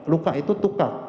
luka itu tukar